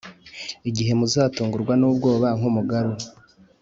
Igihe muzatungurwa n’ubwoba nk’umugaru